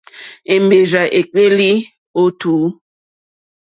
Èmbèrzà èkpéélì ó tùú.